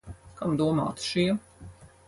Kam domāti šie?